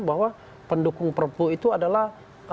bahwa pendukung perpu itu adalah